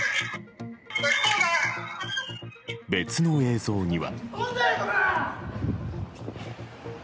別の映像には。